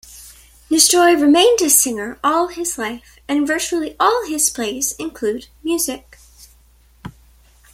Nestroy remained a singer all his life, and virtually all his plays include music.